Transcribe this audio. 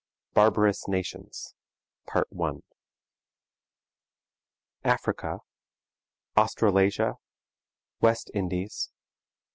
BARBAROUS NATIONS. Africa. Australasia. West Indies.